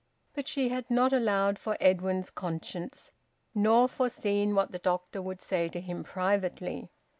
But she had not allowed for Edwin's conscience, nor foreseen what the doctor would say to him privately.